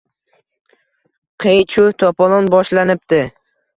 Qiy-chuv, to’polon boshlanibdi